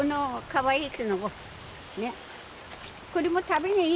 かわいい。